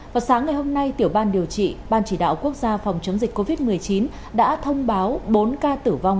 vào sáng ngày hôm nay tiểu ban điều trị ban chỉ đạo quốc gia phòng chống dịch covid một mươi chín đã thông báo bốn ca tử vong